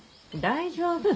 大丈夫。